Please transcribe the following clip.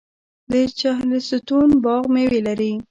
د چهلستون باغ میوې لري.